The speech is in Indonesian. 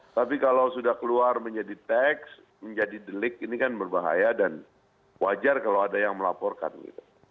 tapi kalau sudah keluar menjadi teks menjadi delik ini kan berbahaya dan wajar kalau ada yang melaporkan gitu